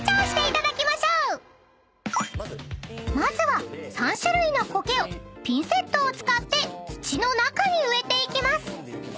［まずは３種類の苔をピンセットを使って土の中に植えていきます］